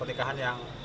pernikahan ini ya